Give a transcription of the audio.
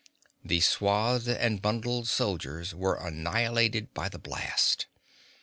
The swathed and bundled soldiers were annihilated by the blast.